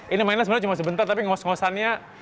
ini mainnya cuma sebentar tapi ngos ngosan